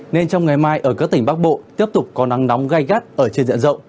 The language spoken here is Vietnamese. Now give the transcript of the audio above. nên trong ngày mai ở các tỉnh bắc bộ tiếp tục có nắng nóng gai gắt ở trên diện rộng